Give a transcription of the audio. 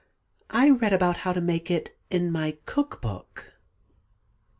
I read about how to make it in my cook book."